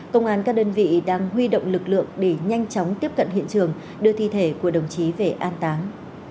công an các đơn vị đang huy động lực lượng để nhanh chóng tiếp cận hiện trường đưa thi thể của đồng chí về an táng